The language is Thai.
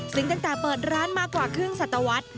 ซึ่งตั้งแต่เปิดร้านมากว่าครึ่งสัตวรรษ